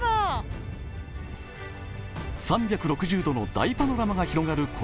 ３６０度の大パノラマが広がる